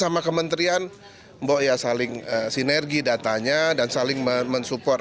sama kementerian saling sinergi datanya dan saling mensupport